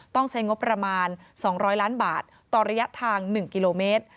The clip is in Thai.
ต้องใช้งบประมาณ๒๐๐ล้านบาทต่อระยะทาง๑กิโลเมตร